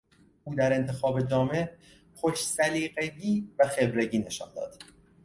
او در انتخاب جامه خوش سلیقگی و خبرگی نشان داد.